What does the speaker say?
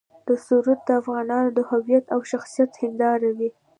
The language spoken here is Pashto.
دا سرود د افغانانو د هویت او شخصیت هنداره وي.